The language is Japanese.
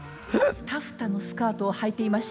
「タフタのスカートをはいていました」。